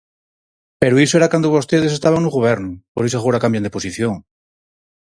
Pero iso era cando vostedes estaban no Goberno, por iso agora cambian de posición.